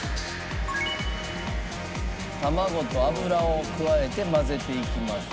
卵と油を加えて混ぜていきます。